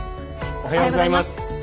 おはようございます。